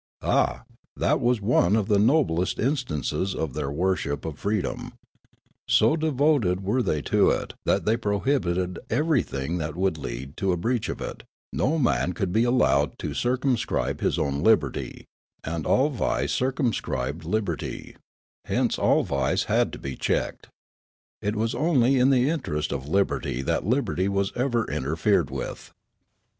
Ah, that was one of the noblest instances of their worship of freedom ; so devoted were the}^ to it that they pro hibited everything that would lead to a breach of it ; no man could be allowed to circumscribe his own liberty; and all vice circumscribed liberty ; hence all vice had to be checked. It was only in the interest of liberty that liberty was ever interfered with.